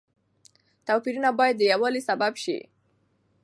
توپيرونه بايد د يووالي سبب شي.